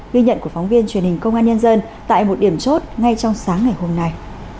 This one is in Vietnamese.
ghi nhận của phóng viên truyền hình công an nhân dân tại một điểm chốt ngay trong sáng ngày hôm nay